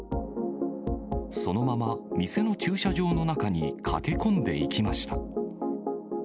そのまま、店の駐車場の中に駆け込んでいきました。